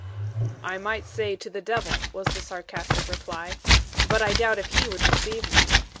"I might say, To the devil," was the sarcastic reply. "But I doubt if he would receive me.